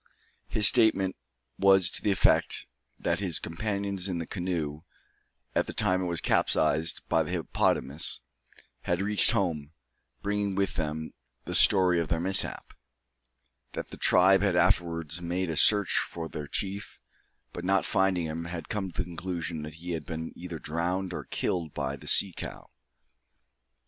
His statement was to the effect that his companions in the canoe, at the time it was capsized by the hippopotamus, had reached home, bringing with them the story of their mishap; that the tribe had afterwards made a search for their chief, but not finding him, had come to the conclusion that he had been either drowned or killed by the sea cow.